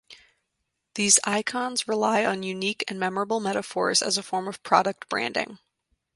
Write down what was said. These icons rely on unique and memorable metaphors as a form of product branding.